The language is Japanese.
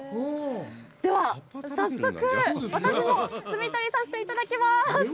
では、早速、私も摘み取りさせていただきます。